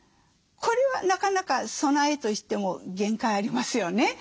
これはなかなか備えとしても限界ありますよね。